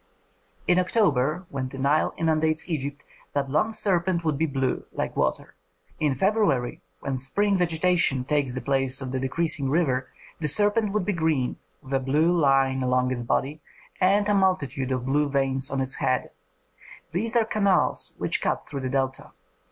In October, when the Nile inundates Egypt, that long serpent would be blue, like water. In February, when spring vegetation takes the place of the decreasing river, the serpent would be green, with a blue line along its body and a multitude of blue veins on its head; these are canals which cut through the Delta.